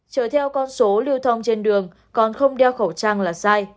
chở theo con số lưu thông trên đường còn không đeo khẩu trang là sai